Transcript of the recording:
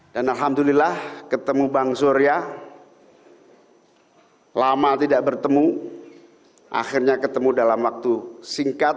dan alhamdulillah ketemu bang surya lama tidak bertemu akhirnya ketemu dalam waktu singkat